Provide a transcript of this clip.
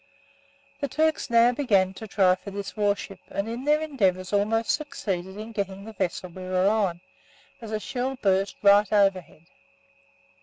The Turks now began to try for this warship, and in their endeavours almost succeeded in getting the vessel we were on, as a shell burst right overhead.